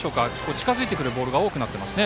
近づいてくるボールが多くなっていますね。